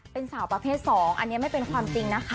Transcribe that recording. เป็นสาวประเภท๒อันนี้ไม่เป็นความจริงนะคะ